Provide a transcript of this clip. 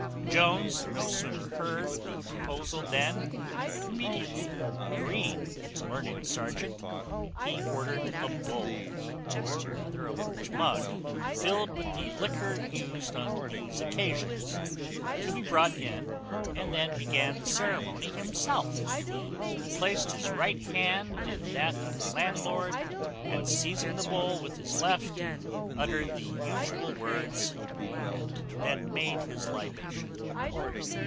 Jones no sooner heard the proposal than, immediately agreeing with the learned serjeant, he ordered a bowl, or rather a large mug, filled with the liquor used on these occasions, to be brought in, and then began the ceremony himself. He placed his right hand in that of the landlord, and, seizing the bowl with his left, uttered the usual words, and then made his libation.